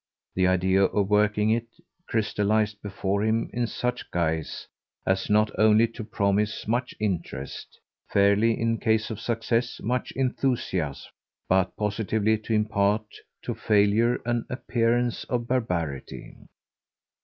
The idea of working it crystallised before him in such guise as not only to promise much interest fairly, in case of success, much enthusiasm; but positively to impart to failure an appearance of barbarity.